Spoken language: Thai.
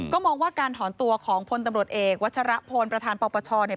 ก็มองว่าการถอนตัวของพลตำรวจเอกวัชรพลประธานปปชเนี่ย